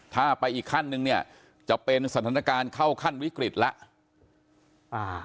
ถ้าไปอีกขั้นนึงเนี่ยจะเป็นสถานการณ์เข้าขั้นวิกฤตแล้ว